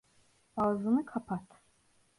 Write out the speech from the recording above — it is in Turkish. Ağzını kapat.